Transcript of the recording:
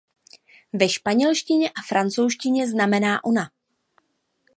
Ve španělštině a francouzštině znamená "ona".